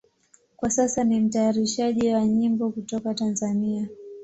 Kwa sasa ni mtayarishaji wa nyimbo kutoka Tanzania.